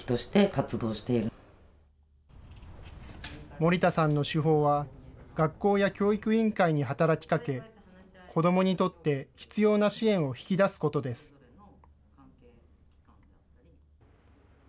森田さんの手法は、学校や教育委員会に働きかけ、子どもにとって必要な支援を引き出すことです。